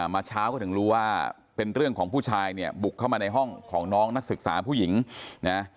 มาเช้าก็ถึงรู้ว่าเป็นเรื่องของผู้ชายเนี่ยบุกเข้ามาในห้องของน้องนักศึกษาผู้หญิงนะ